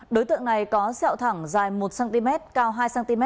đối tượng này có sẹo thẳng dài một cm cao hai cm